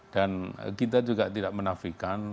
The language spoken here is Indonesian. dan kita juga tidak menafikan